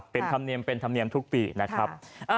เป็นธรรมเนียมทุกปีนะครับ